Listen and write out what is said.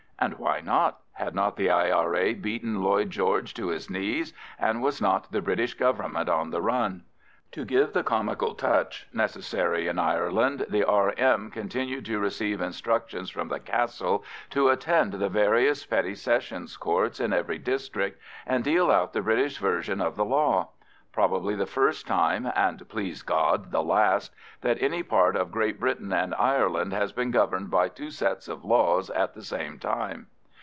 And why not? Had not the I.R.A. beaten Lloyd George to his knees, and was not the British Government on the run? To give the comical touch necessary in Ireland, the R.M. continued to receive instructions from the Castle to attend the various Petty Sessions Courts in every district and deal out the British version of the law. Probably the first time (and please God the last) that any part of Great Britain and Ireland has been governed by two sets of laws at the same time.